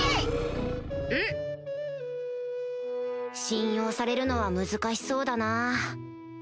信用されるのは難しそうだな